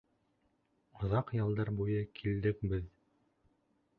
Оҙаҡ йылдар буйы килдек беҙ.